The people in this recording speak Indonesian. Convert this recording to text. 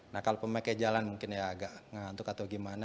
nah kalau pemakai jalan mungkin ya agak ngantuk atau gimana